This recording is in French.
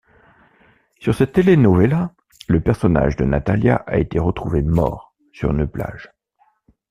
Sur cette telenovela, le personnage de Natalia a été retrouvé mort sur une plage.